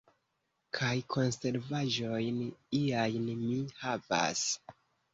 Kaj konservaĵojn iajn mi havas.